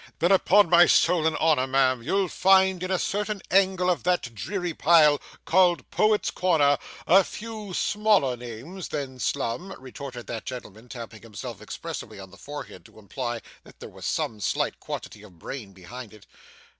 'Then upon my soul and honour, ma'am, you'll find in a certain angle of that dreary pile, called Poets' Corner, a few smaller names than Slum,' retorted that gentleman, tapping himself expressively on the forehead to imply that there was some slight quantity of brain behind it.